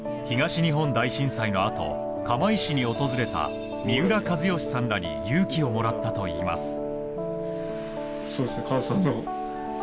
東日本大震災のあと釜石に訪れた三浦知良さんらに勇気をもらったといいます。